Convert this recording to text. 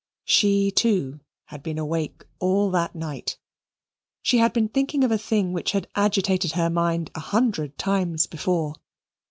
She, too, had been awake all that night. She had been thinking of a thing which had agitated her mind a hundred times before.